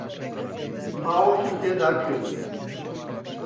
باوەشم پێدا کرد.